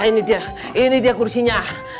ini dia ini dia kursinya